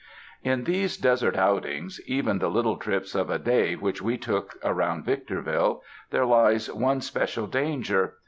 In these desert outings — even the little trips of a day which we took around Victorville — there lies one special danger.